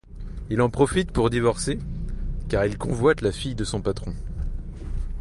Il en profite pour divorcer, car il convoite la fille de son patron.